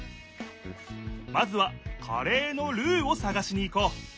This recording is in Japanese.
まずはカレーのルーをさがしに行こう。